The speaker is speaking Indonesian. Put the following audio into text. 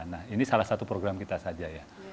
nah ini salah satu program kita saja ya